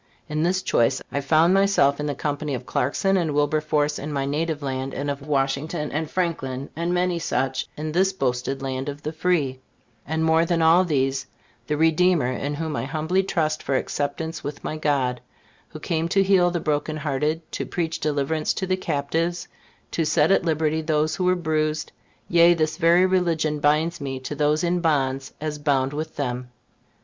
In this choice, I found myself in the company of Clarkson and Wilberforce in my native land, and of Washington and Franklin, and many such, in this boasted land of the free; and more than all these, the Redeemer in whom I humbly trust for acceptance with my God, who came to heal the broken hearted, to preach deliverance to the captives, to set at liberty those who were bruised; yea, this very religion binds me to those in bonds as bound with them.